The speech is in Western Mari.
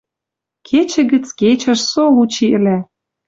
Кечӹ гӹц кечӹш со лучи ӹлӓ...